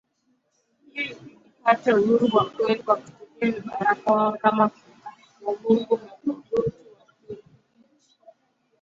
hiyo ipate uhuru wa kweli Kwa kutumia vibaraka wao kama Kasavubu na Mobutu Wabeligiji